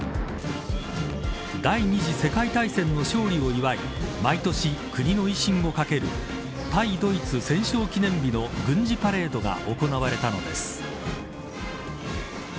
第２次世界大戦の勝利を祝い毎年、国の威信を懸ける対ドイツ戦勝記念日の軍事パレードが行われたのです。